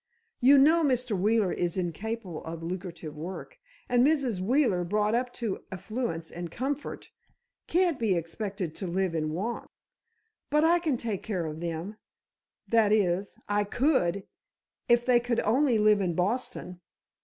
You know, Mr. Wheeler is incapable of lucrative work, and Mrs. Wheeler, brought up to affluence and comfort, can't be expected to live in want. But I can take care of them—that is, I could—if they could only live in Boston.